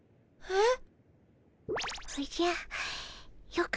えっ。